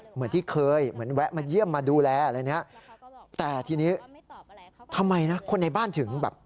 เหมือนที่เคยเหมือนแวะมาเยี่ยมมาดูแลอะไรเนี้ยแต่ทีนี้ทำไมนะคนในบ้านถึงแบบ